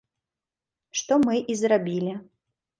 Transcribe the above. Што мы і зрабілі.